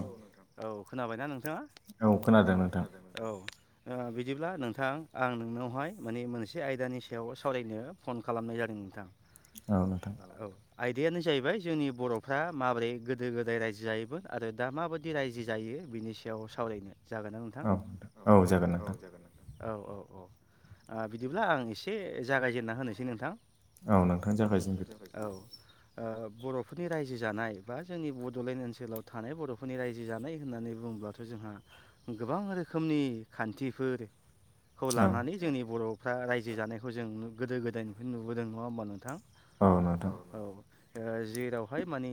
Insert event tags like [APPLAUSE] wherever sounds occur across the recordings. औ नोंथां औ खोनाबायना नोंथाङा औ खोनादोंमोन औ - ओ बिदिब्ला नोंथां आं नोंनावहाय माने मोनसे आयदानि सायाव सावरायनो फन खालामनाय जादों नोंथां औ नोंथां आयदायानो जाहैबाय जोंनि बर'फ्रा माबोरै गोदो गोदाय रायजो जायोमोन आरो दा माबायदि रायजो जायो बिनि सायाव सावरायनो जागोन ना नोंथां औ औ जागोन नोंथां औ औ औ ओ बिदिब्ला आं एसे जागायजेनना होनोसै नोंथां औ नोंथां जागायजेनग्रोदो ओ बर'फोरनि रायजो जानाय बा जोंनि बड'लेण्ड ओनसोलाव थानाय बर'फोरनि रायजो जानाय होननानै बुङोब्लाथ' जोंहा गोबां रोखोमनि खान्थिफोर खौ लानानै जोंनि बर'फ्रा रायजो जानायखौ जों गोदो गोदायनिफ्रायनो नुबोदों नङा होमबा नोंथां। औ नोंथां। ओ जेरावहाय माने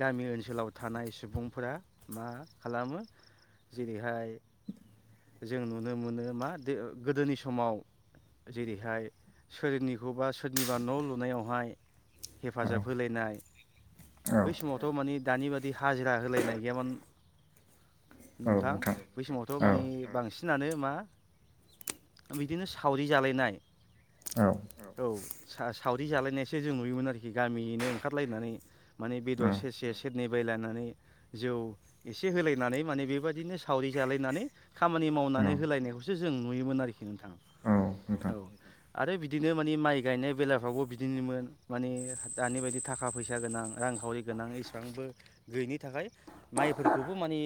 गामि ओनस ओनसोलाव थानाय सुबुंफोरा मा खालामो जेरैहाय जों नुनो मोनो मा गोदोनि समाव जेरैहाय सोरनिखौबा सोरनिबा न' लुनायावहाय हेफाजाब होलायनाय बै समावथ' माने दानि बादि हाजिरा होलायनाय गैयामोन। नोंथां बै समावथ' माने बांसिन थिनानो मा बिदिनो सावरि जालायनाय औ। सा-सावरि जालायनायसो जों नुयोमोन आरोखि गामियैनो ओंखारलायनानै माने बेदर सेर सेरसे सोरननि बायलायनानै जौ एसे होलायनानै माने बेबायदिनो सावरि जालायनानै खामानि मावनानै होलायनायखौसो जों नुयोमोन आरोखि नोंथाङा औ। आरो बिदिनो माने माइ गायनाय बेलाफ्रावबो बिदिनोमोन माने दानि बायदि थाखा फैसा गोनां रां रां खाउरि गोनां बो गैयिनि थाखाय माइफोरखौबो माने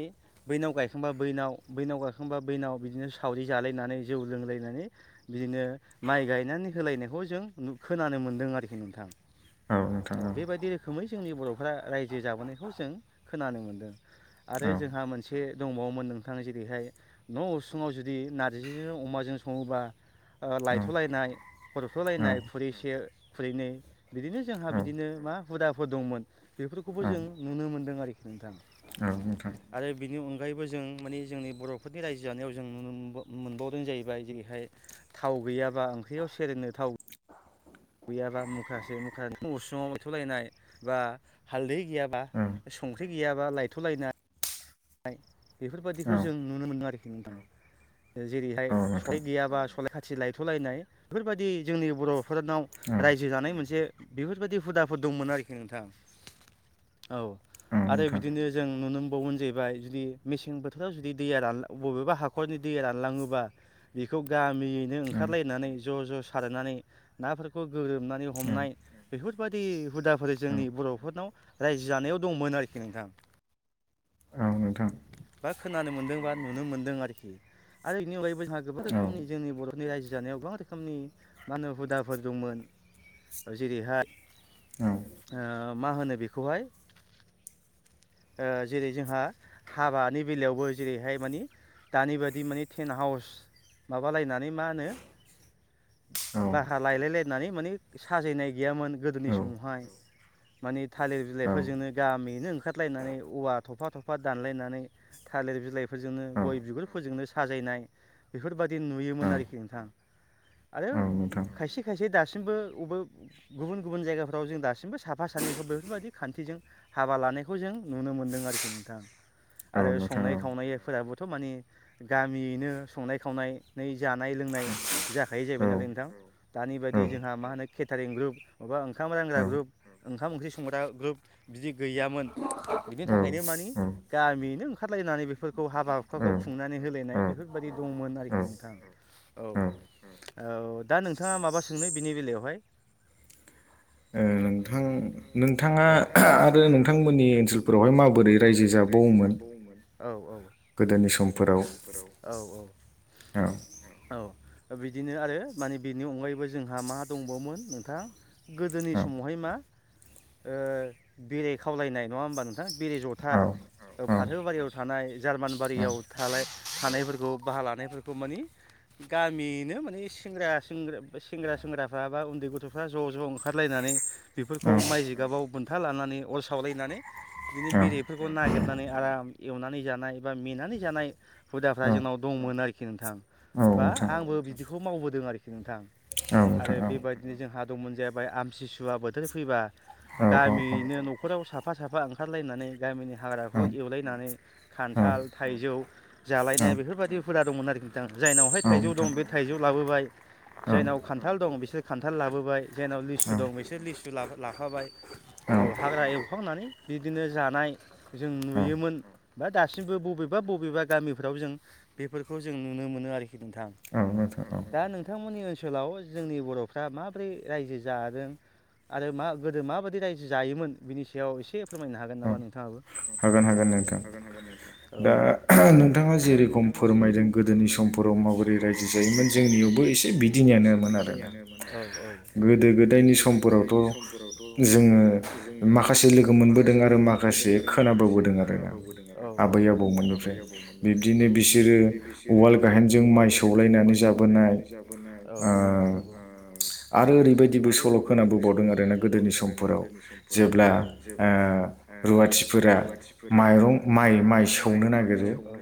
बैनाव गायखांबा बैन बैनाव गायखां बैनाव बिदिनो सावरि जालायनानै जौ लोंलायनानै बिदिनो माइ गायनानै होलायनायखौ जों नु खोनानो मोनदों आरोखि नोंथां। औ बेबायदि रोखोमै जोंनि बर'फ्रा रायजो जाबोनायखौ जों खोनानो मोनदों। आरो जोंहा मोनसे दंबावोमोन नोंथां जेरैहाय न' उसुङाव जुदि नारजिजों अमाजों सङोब्ला लायथ'लायनाय हरथ'लायनाय खुरैसे खुरैनै। बिदिनो जोंहा बिदिनो मा हुदाफोर दंमोन बेफोरखौबो जों नुनो मोनदों आरोखि नोंथाङा। आरो बिनि अ अनगायैबो जों माने जोंनि बर'फोरनि रायजो जानायाव जों नुनो मोन मोनबावदों जाहैबाय जेरैहाय थाव गैयाबा ओंख्रियाव सेरनो थाव गैयाबा मुखासै मु उसङाव मैथ'लायनाय बा हालदै गैयाबा संख्रि गैयाबा लायथ'लायनाय। बेफोरबादिखौ जों नुनो मोनदों आरोखि नोंथां जेरैहाय सलाय गैयाबा सलाय खा थि लायथ'लायनाय बेफोरबायदि जोंनि बर'फोरनाव रायजो जानाय मोनसे बेफोरबायदि हुदाफोर दंमोन आरोखि नोंथां। औ आरो बिदिनो जों नुनो मोनबावगोन जे बाय मेसें बोथोराव जुदि दैया रानला बबेबा हाखरनि रानलाङोबा बेखौ गा -मियैनो ओंखारलायनानै ज' ज' सारनानै नाफोरखौ गोरोमनानै हमनाय बेफोर बायदि हुदाफोर जोंनि बर'फोरनाव रायजो जानायाव दंमोन आरोखि नोंथां। औ नोंथां। खोनानो मोनदों बा नुनो मोनदों आरोखि आरो बेनि अनयैबो जोंहा गोबां रोखोमनि जोंनि बर' फोरनि रायजो जानायाव गोबां रोखोमनि मानो हुदाफोर दंमोन। जेरैहाय ओ मा होनो बेखौहाय ओ जेरै जोंहा हाबानि बेलायावबो जेरैहाय मानि दानि बादि मानि टेन्ट हाउस माबालायनानै मा होनो भारा लायलायलायनानै माने साजायनाय गैयामोन गोदोनि समावहाय माने थालिर बिलाइफोरजोंनो गामियैनो ओंखारलायनानै औवा थ'फा थ'फा दानलायनानै थालिर बिलाइफोरजोंनो गय बिगुरफोरजोंनो साजायनाय बेफोरबाय दि नुयोमोन आरोखि नोंथां आरो खायसे खायसे दासि सिमबो बबे गुबुन गुबुन जायगाफ्राव जों दासिमबो साफा सानैफ्र बेफोरबायदि खान्थिजों हाबा ला नायखौ जों नुनो मोनदों आरोखि नोंथां आरो संनाय खावनायफोराबो थ' माने गामियैनो संनाय खावनायनै जानाय लोंनाय जाखायो जाहैबाय नालाय नोंथां दानि बायदि जोंहा मा होनो केटारिं ग्रुप मा ओंखाम रानग्रा ग्रुप ओंखाम ओंख्रि संग्रा ग्रुप बिदि गैयामोन बिनि थाखा -यनो मानि ओंखायनो मानि गामियैनो ओंखारलायनानै बेफोरखौ हाबा हुखाखौ खुंनानै होलायनाय बेफोरबायदि दंमोन आरोखि नोंथां औ औ दा नोंथाङा माबा सोंनो बिनि बेलायावहाय [INAUDIBLE] ओ नोंथां नोंथाङा आरो नोंथांमोननि ओनसोलफोरावहाय माब -वहाय माबोरै रायजो जाबावोमोन औ औ गोदोनि समफोराव औ औ औ बिदिनो आरो माने बेनि अनगायैबो जोंहा मा दंबावोमोन नोंथां गोदोनि समावहाय मा ओ बेरे खावलायनाय नङा होमबा नोंथां बेरे जथा फाथो बारियाव थानाय जार्मान बारियाव थानायफोरखौ बाहा ला -नायफोरखौ माने गामियैनो माने सेंग्रा सेंग्रा सेंग्राफ्रा बा उन्दै गथ'फ्रा ज' ज' ओंखारलायना -नै बेफोरखौ माइ जिगाबाव बुन्था लानानै अर सावलायनानै बिदिनो बेरेफोरखौ नागिरनानै आराम एवनानै जानाय बा मेनानै जानाय हुदाफ्रा जोंनाव दं मोन आरोखि नोंथां बा आंबो बिदिखौ मावबोदों आरोखि नोंथां आरो बेबायदिनो जोंहा दंमोन जाबाय आमसिसुवा बोथोर फैबा गामिैयनो न'खराव साफा साफा ओं -खारलायनानै गामिनि हाग्राखौ एवलायनानै खान्थाल थाइजौ जालायनाय बेफोरबायदि फोरा दंमोन आरोखि नोंथां जायनावहाय थाइजौ दं बे थाइजौ लाबोबाय जायनाव खान्थाल दं बिसोर खान्थाल लाबोबाय जायनाव लिसु दं बिसोर लिसु लाफाबाय औ हाग्रा एवखांनानै बिदिनो जानाय जों नुयोमोन बा दासिमबो बबेबा बबेबा गामिफ्राव जों बेफोरखौ जों नुनो मोनो आरोखि नोंथां दा नोंथांमोननि ओनसोलाव जोंनि बर'फ्रा माब्रै रायजो जादों आरो मा गोदो माबायदि रायजो जायोमोन बिनि सायाव एसे फोरमायनो हागोन नामा नोंथाङाबो औ दा नोंथाङा जेरेखम फोरमायदों गोदोनि समफोराव माबोरै रायजो जायोमोन जोंनियावबो बिदिनियानो मोनो औ औ औ गोदो गोदायनि समफोरावथ' जों माखासे लोगो माखासे लोगो मोनबोदों आरो माखासे खोनाबोबोदों आरो आबै आबौ निफ्राय बिब्दिनो बिसोरो उवाल गाहेनजों माइ सौलायनानै जाबोनाय औ [UNINTELLIGIBLE] आरो ओरैबायदिबो सल' खोनाबोबावदों आरोना गोदोनि समफोराव जेब्ला रुवाथिफोरा माइरं माइ सौवो औ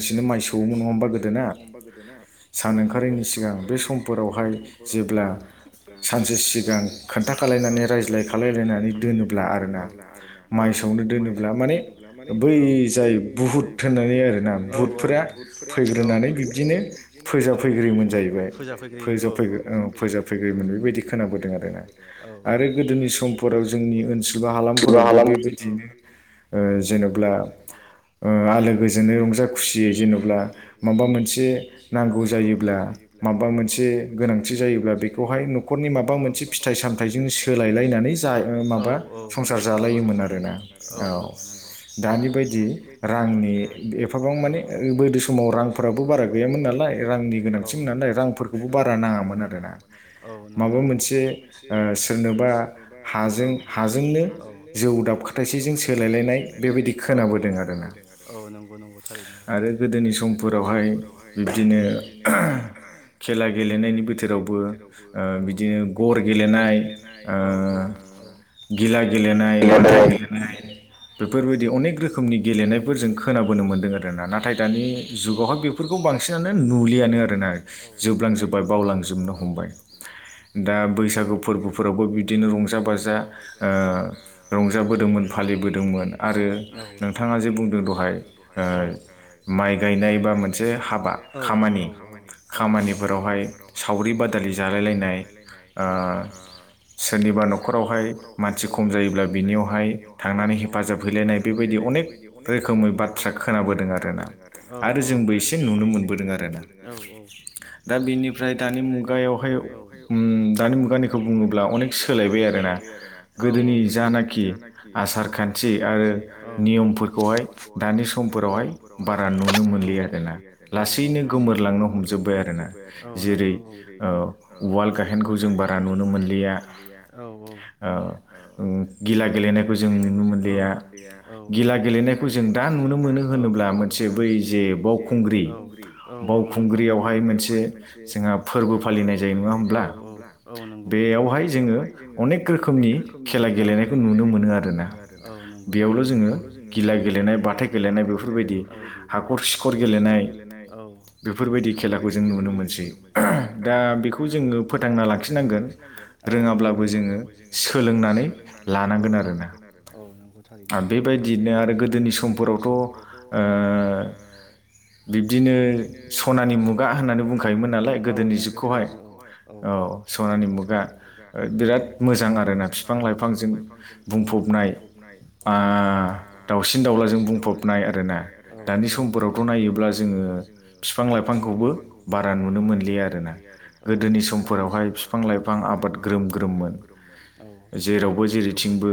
सोरांसि सोरांसिनो माइ सौवोमोन नङा होमबा गोदोना औ नंगौ सिगां बे समफोरावहाय जेब्ला सानसे सिगां खोन्था खालायनानै रायज्लाय खालामलायलायनानै दोनोब्ला आरोना औ औ माइसावनो दोनोब्ला माने औ बै जाय बुहुत होननाय औ औ बुहुत फोर औ फैग्रोनानै बिबदिनो औ फजाफैग्रोयो जा फैग्र बेबायदि खोनाबोदों आरो औ औ आरो गोदोनि समफोराव हालामफोरावबो बेबायदिनो जेनेबा गोजोनो रंजा खुसियै जेनेबा माबा मोनसे नांगौ जायोब्ला माबा मोनसे गोनांथि जायोब्ला बेखौहाय न'खरनि माबा मोनसे फिथाइ सामथाइजों सोलायलायनानै जा माबा संसार जालायोमोन आरोना औ दानि बायदि रांनि एफाबां माने गोदो समाव रांफोराबो बारा गैयामोन नालाय रांनि गोनांथिमोन नालाय रांफोरखौबो बारा नाङा औ नंगौ नंगौ माबा मोनसे सोरनोबा जों हाजोंनो जौ दाब खाथायाइसेजों सोलायलायनाय बेबायदि खोनाबोदों आरो थारैनो आरो गोदोनि समफोरावहाय बिबदिनो गेलेनायनि बोथोरावबो बिदिनो गर गेलेनाय गिला गेलेनाय बाथा गेलेनाय बेफोरबायदि अनेक रोखोमनि गेलेनायफोर जों खोनो मोनदों आरोना नाथाय दानि जुगावहाय बेफोरखौ बांसिनानो नुलियानो आरोना जोबलां जोब्लां जोबबाय बावलजोबनो हमबाय। दा बैसागु फोरबोफोरावबो बिदिनो रंजा बाजा रंजाबोदोंमोन फालिबोदोंमोन आरो नोंथाङा जे बुंदों दहाय। ओ माइ गायनाय बा मोनसे हाबा खामानि खामानिफोरावहाय सावरि बादि सावरि बादालि जालायलायनाय सोरनिबा न'खरावहाय। मानसि खम जायो बिनियावहाय थांनानै हेफाजाब हैायनाय बेबायदि अने रो रोखोमै बाथ्रा खोनाबोदों आरो ना औ औ आरो जोंबो एसे नुनो मोनबोदों आरो। दा बेनिफ्राय दानि मुगायावहाय दानि मुगानिखौ बुङोब्ला अनेक सोलाय आरो ना। औ औ गोदोनि जानाखि आसार खान्थि औ निमफोरखौ। दानि समफोरावहाय बारा नुनो मोनलि आरोना लासैनो गोमोरलांनो हमजोबबाय आरोना। औ जेरै वाल गायेनखौ जों बारा नुनो मोनलिया औ औ। गिला गेलेनायखौ जों नुनो मोनलिया गिला गेलेनायखौ। गेलेनायखौ जों दा नु मोनो होनोब्ला मोनसे बै जे बावखुंग्रि औ नंगौ बावखुंग्रि बेयावहाय मोनसे जोंहा फोरबो फालिनाय जायो बेयावहाय जोङो अनेक रोखोमनि अनेक रोखोमनि खेला गेलेनायखौ नुनो मोनो आरो थारैनो बेयावल' जोङो गिला गेलेनाय बाथाय गेलेनाय बेफोरबायदि हाखर सिखर गेलेनाय बेफोरबायदि खेलाखौ जों नुनो मोनसै दा बेखौ जोङो फोथांना लाखिनांगोन। रोङाब्लाबो जोङो सोलो सोलोंनानै लानांगोन आरोना थारैनो आ बेबायदि नो आरो गोदोनि समफोरावथ' बिब्दिनो सनानि मुगा होननानै बुंखायोमोन नालाय गोदोनि जुगखौहाय औ। सनानि मुगा बिराद मोजां आरो। मोजां आरोना बिफां लाइफांजों औ बुंफबनाय औ ओ। दाावसिन दाउलाजों बुंफबनाय औ औ आरोना दानि समफोरावथ' नायोब्ला जोङो। बिफां लाइफांखौबो बारा नुनो मोनलिया आरोना औ नंगौथ आरो गोदोनि समफोरावहाय बिफां लाइफां आबाद ग्रोम ग्रोममोन। जेरावबो जेरैथिंबो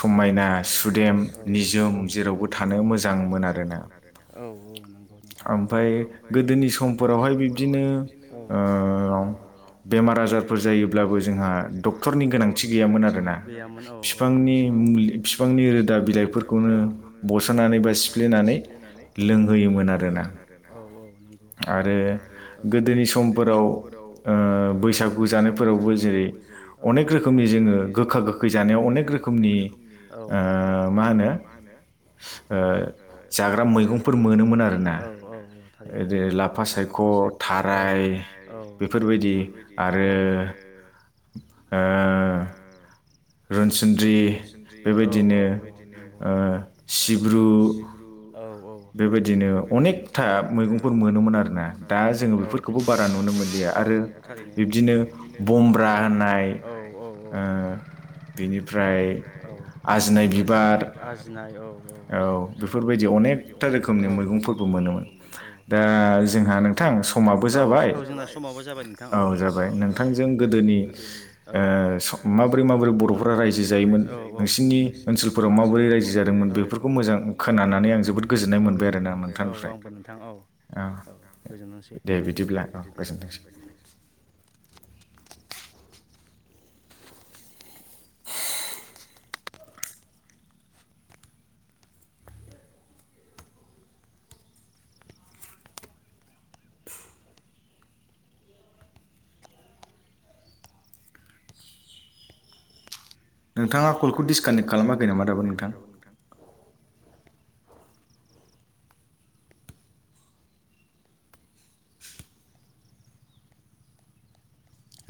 समायना सुदेम निजोम जुग जेरावबो थानो मोजां मोन आरोना औ औ नोंथां ओमफ्राय गोदोनिफोरावहाय बिब्दिनो बेमार आजारफोर जायोब्लाबो जोंहा डक्टरनि गोनांथि गैया गोनांथि गैयामोन गैयामोन औ औ बिफांनि मुलि बिफांनि औ रोदा बिलाइ बेखौनो औ बस'नानै बा सिफ्लेनानै औ लोंहोयोमोन आरो ना औ औ नंगौ। गोदोनि समफोराव ओ बैसागु जानायफोरावबो जेरै अनेक रोखोमनि अनेक रोखोमनि जोङो गोखा गोखै जानायाव अनेक रोखोमनि औ ओ मा होनो? ओ जाग्रा मैगंफोर मोनोमोन औ औ आरो थारै लाफा सायख' थाराय औ औ बेफोरबायदि औ आरो। ओ रनसन्द्रि बेबायदिनो ओ सिब्रु बेबायदिनो अनेकथा मैगंफोर मोनोमोन आरोना दा जोङो बेफोरखौबो बारा नुनो मोनलिया। औ थारैनो औ बिदिनो औमब्रा औ। ओ बिनिफ्राय आजिनाय बिबार औ बेफोरबायदि अनेकथा रोखोमनि मैगंफोरबो मोनोमोन, दा जोंहा नोंथां। नोंथां औ औ जोंना समावबो जाबाय नोंथां औ औ जाबाय नोंथांजों गोदोनि औ माबोरै माबोरै बर'फोरा रायजो रायजो जायोमोन औ औ नोंसिनि औ ओनसोलफोराव माबोरै रायजो औ औ बेफोरखौ औ मोजां खोनानानै आं जोबोद गोजोननाय औ औ मोनबाय आरो औ आंबो नोंथां औ औ बेयावनो फोजोबनांसिगोन दे बिदिब्ला फोजोबनोसै नोंथाङा कलखौ डिसकानेक्ट खालामाखै नामा दाबो नोंथां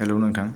हेलौ नोंथां